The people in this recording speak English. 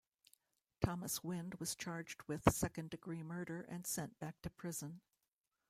Thomas Wind was charged with second-degree murder and sent back to prison.